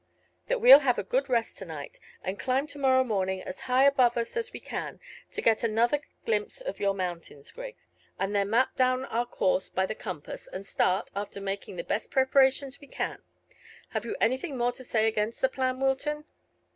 "That we'll have a good rest to night, and climb to morrow morning as high above us as we can to get another glimpse of your mountains, Griggs, and then map down our course by the compass and start, after making the best preparations we can. Have you anything more to say against the plan, Wilton?"